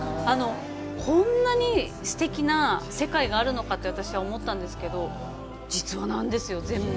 こんなにすてきな世界があるのかと私は思ったんですけど、実話なんですよ、全部。